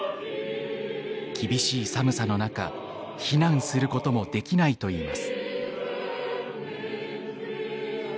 厳しい寒さの中避難することもできないといいます。